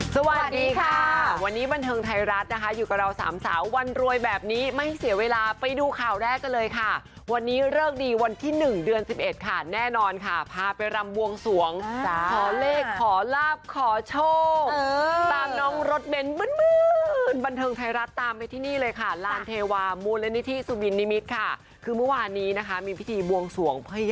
สวัสดีค่ะวันนี้บันเทิงไทยรัฐนะคะอยู่กับเราสามสาววันรวยแบบนี้ไม่ให้เสียเวลาไปดูข่าวแรกกันเลยค่ะวันนี้เลิกดีวันที่๑เดือน๑๑ค่ะแน่นอนค่ะพาไปรำบวงสวงขอเลขขอลาบขอโชคตามน้องรถเบ้นบันเทิงไทยรัฐตามไปที่นี่เลยค่ะลานเทวามูลนิธิสุบินนิมิตรค่ะคือเมื่อวานนี้นะคะมีพิธีบวงสวง